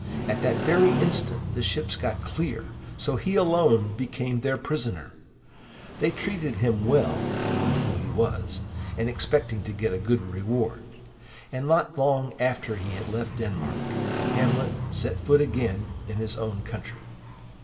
At that very instant the ships got clear, so he alone became their prisoner. They treated him well, knowing who he was, and expecting to get a good reward, and not long after he had left Denmark Hamlet again set foot in his own country.